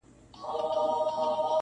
څه موده پس د قاضي معاش دوه چند سو,